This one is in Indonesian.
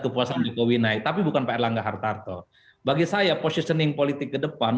kepuasan jokowi naik tapi bukan pak erlangga hartarto bagi saya positioning politik ke depan